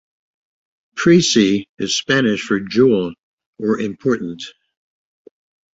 "Presea" is Spanish for "jewel" or "important".